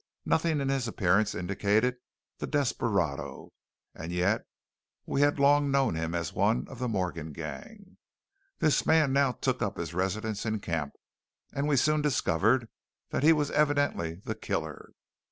Nothing in his appearance indicated the desperado; and yet we had long known him as one of the Morton gang. This man now took up his residence in camp; and we soon discovered that he was evidently the killer.